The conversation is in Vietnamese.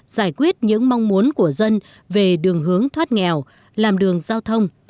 tổ chức của dân về đường hướng thoát nghèo làm đường giao thông